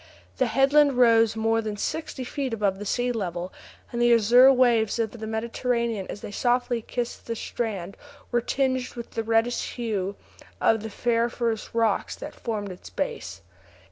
The headland rose more than sixty feet above the sea level, and the azure waters of the Mediterranean, as they softly kissed the strand, were tinged with the reddish hue of the ferriferous rocks that formed its base.